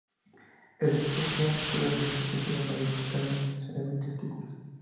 Este gen se expresa en muchos tejidos, mayoritariamente en cerebro y testículos.